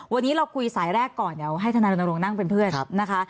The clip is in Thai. วันนี้เราคุยสายแรกก่อนเดี๋ยวให้ธนายรณรงค์นั่งเป็นเพื่อนนะคะ